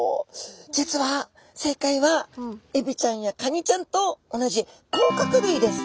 実は正解はエビちゃんやカニちゃんと同じ甲殻類です。